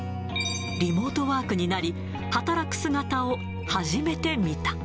リモートワークになり、働く姿を初めて見た。